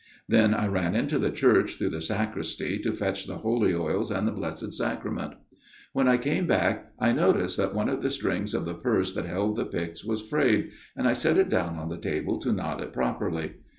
" Then I ran into the church through the sacristy to 'fetch the holy oils and the Blessed Sacrament. " When I came back, I noticed that one of the strings of the purse that held the pyx was frayed, and I set it down on the table to knot it properly.